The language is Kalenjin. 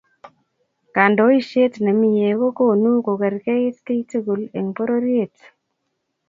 kandoishet ne mie ko konu kokerkeit keitugul eng pororiet